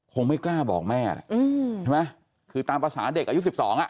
ไม่กล้าบอกแม่น่ะอืมใช่ไหมคือตามภาษาเด็กอายุสิบสองอ่ะ